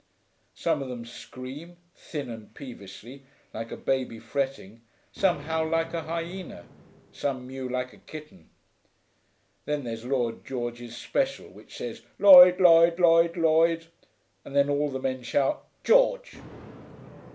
Some of them scream, thin and peevishly, like a baby fretting; some howl like a hyena, some mew like a kitten. Then there's Lloyd George's Special, which says "Lloyd Lloyd Lloyd Lloyd," and then all the men shout "George."'